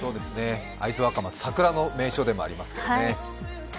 会津若松、桜の名所でもありますね。